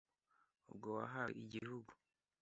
Ubwo wahawe igihugu,